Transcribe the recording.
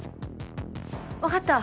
わかった。